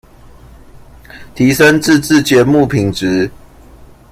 提昇自製節目品質